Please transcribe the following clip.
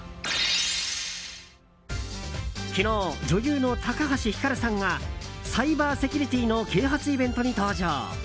昨日、女優の高橋ひかるさんがサイバーセキュリティーの啓発イベントに登場。